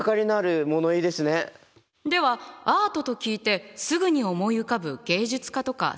ではアートと聞いてすぐに思い浮かぶ芸術家とか作品は何？